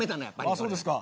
そうですか。